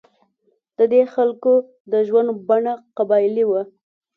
د دې خلکو د ژوند بڼه قبایلي وه.